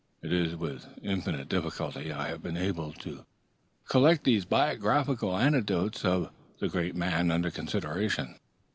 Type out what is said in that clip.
It is with infinite difficulty I have been enabled to collect these biographical anecdotes of the great man under consideration.